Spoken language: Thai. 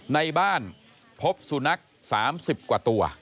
ในบ้านพบสุนัข๓๐กว่าตัว